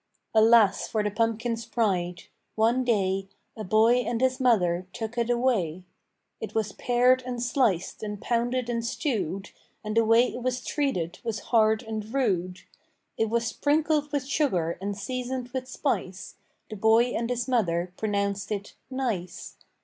Alas for the pumpkin's pride! One day A boy and his mother took it away. It was pared and sliced and pounded and stewed, And the way it was treated was hard and rude. It was sprinkled with sugar and seasoned with spice, The boy and his mother pronounced it nice.